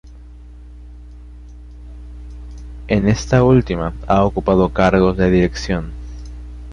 En esta última ha ocupado cargos de dirección.